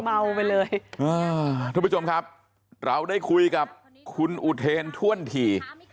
เมาไปเลยอ่าทุกผู้ชมครับเราได้คุยกับคุณอุเทนถ้วนถี่